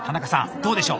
どうでしょう？